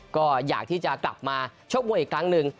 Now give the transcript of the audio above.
ก็อยากที่จะกลับมาชกมวยอีกครั้งหนึ่ง